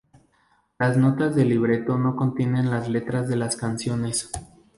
Las notas del libreto no contienen las letras de las canciones.